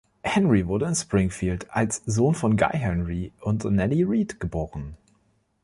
Henry wurde in Springfield als Sohn von Guy Henry und Nellie Reed geboren.